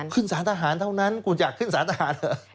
ขึ้นสารทหารเท่านั้นคุณอยากขึ้นสารทหารเหรอ